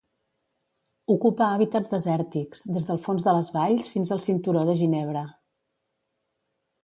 Ocupa hàbitats desèrtics, des del fons de les valls fins al cinturó de ginebre.